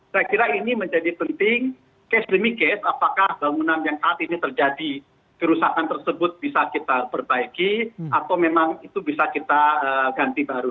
saya kira ini menjadi penting case demi case apakah bangunan yang saat ini terjadi kerusakan tersebut bisa kita perbaiki atau memang itu bisa kita ganti baru